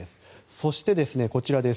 そして、こちらです。